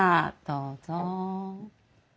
どうぞ。